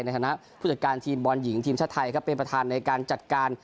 ในฐานะผู้จัดการทีมบอลหญิงทีมชาติไทยครับเป็นประธานในการจัดการ